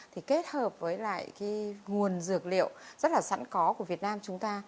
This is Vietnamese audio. thì kết hợp với lại cái nguồn dược liệu rất là sẵn có của việt nam chúng ta